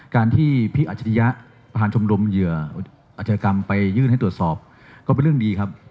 การที่พี่อัจฉริยะประธานชมรมเหยื่ออาชญากรรมไปยื่นให้ตรวจสอบก็เป็นเรื่องดีครับ